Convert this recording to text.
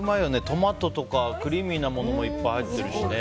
トマトとかクリーミーなものもいっぱい入ってるしね。